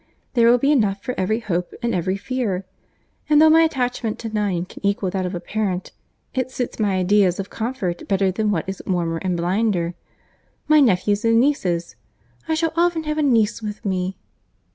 There will be enough for every hope and every fear; and though my attachment to none can equal that of a parent, it suits my ideas of comfort better than what is warmer and blinder. My nephews and nieces!—I shall often have a niece with me."